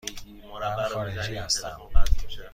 من خارجی هستم.